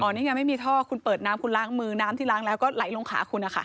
นี่ไงไม่มีท่อคุณเปิดน้ำคุณล้างมือน้ำที่ล้างแล้วก็ไหลลงขาคุณนะคะ